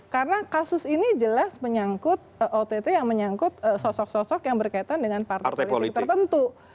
karena kasus ini jelas menyangkut ott yang menyangkut sosok sosok yang berkaitan dengan partai politik tertentu